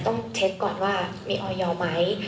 ต้องเช็คก่อนว่ามีออยอร์ไหม